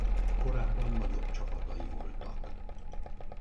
Korábban nagyobb csapatai voltak.